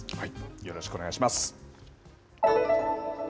よろしくお願いします。